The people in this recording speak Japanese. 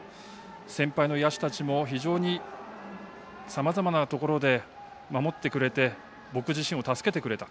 先輩の野手たちも非常にさまざまなところで守ってくれて僕自身を助けてくれた。